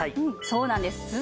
そうなんです。